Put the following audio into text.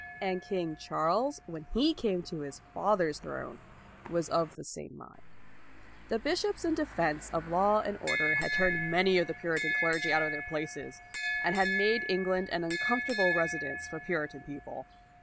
And King Charles, when he came to his father's throne, was of the same mind. The bish ops in defense of law and order had turned many of the Puritan clergy out of their places, and had made England an uncom LAUD 217 fortable residence for Puritan people.